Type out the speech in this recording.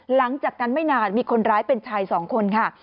หลังจากนั้นไม่นานมีคนร้ายเป็นชายสองคนค่ะ